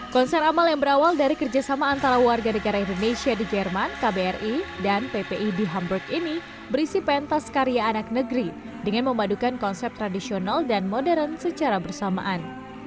konser amal yang berawal dari kerjasama antara warga negara indonesia di jerman kbri dan ppi di hamburg ini berisi pentas karya anak negeri dengan memadukan konsep tradisional dan modern secara bersamaan